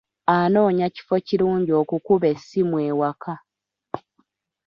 Anoonya kifo kirungi okukuba essimu ewaka.